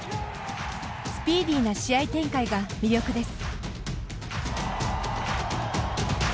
スピーディーな試合展開が魅力です。